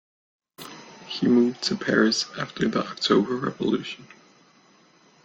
He moved to Paris after the October Revolution.